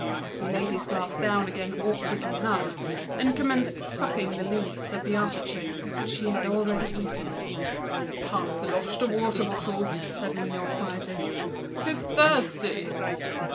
He laid his glass down again awkwardly, and commenced sucking the leaves of the artichoke he had already eaten. "Pass Deloche the water bottle," said Mignot, quietly; "he's thirsty."